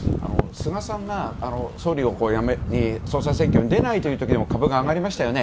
菅さんが総裁選挙に出ないというときにも株が上がりましたよね。